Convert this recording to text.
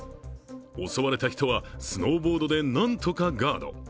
襲われた人はスノーボードでなんとかガード。